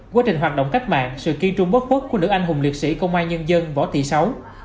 quá trình hoạt động cách mạng sự kiên trung bất khuất của nữ anh hùng liệt sĩ công an nhân dân võ thị sáu